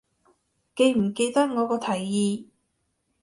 記唔記得我個提議